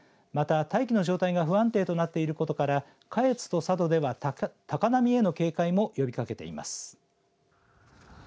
また、大気の状態が不安定となっていることから下越と佐渡では高波への警戒も呼びかけています。